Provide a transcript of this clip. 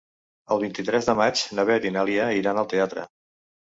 El vint-i-tres de maig na Beth i na Lia iran al teatre.